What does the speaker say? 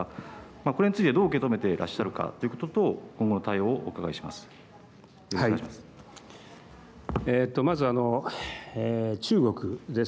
これについてどう受け止めてらっしゃるかということと今後の対応をお伺いします。